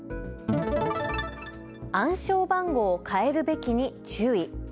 暗証番号変えるべきに注意。